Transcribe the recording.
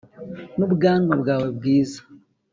n'ubwanwa bwawe bwiza